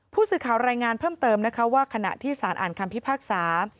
ผู้สื่อข่าวรายงานเพิ่มเติมนะคะว่าขณะที่สารอ่านคำพิพากษา